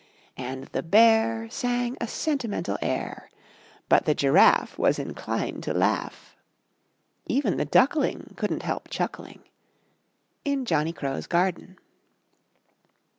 And the Bear Sang a sentimental Air, But the Giraffe Was inclined to laugh; Even the Duckling Couldn't help chuckling In Johnny Crow's Garden.